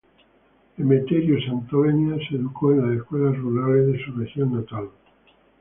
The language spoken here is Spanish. Emeterio Santovenia se educó en las escuelas rurales de su región natal.